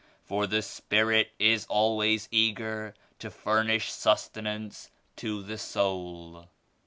For the Spirit is always eager to furnish sustenance to the soul."